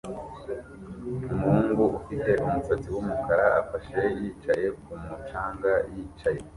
Umuhungu ufite umusatsi wumukara afashe yicaye kumu canga yicaye